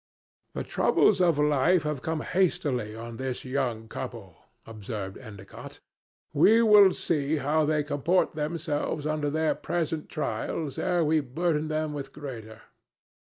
"The troubles of life have come hastily on this young couple," observed Endicott. "We will see how they comport themselves under their present trials ere we burden them with greater.